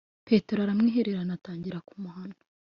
Petero aramwihererana atangira kumuhana